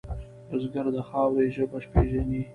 بزګر د خاورې ژبه پېژني